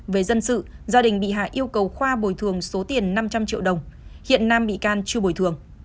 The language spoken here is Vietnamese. về dân sự gia đình bị hại yêu cầu khoa bồi thường số tiền năm trăm linh triệu đồng hiện nam bị can chưa bồi thường